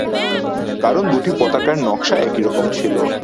কারণ দুটি পতাকার নকশা একইরকম ছিল।